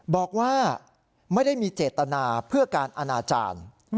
บอกว่าไม่ได้มีเจตนาเพื่อการอนาจารย์